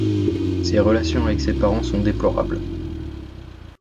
Ses relations avec ses parents sont déplorables.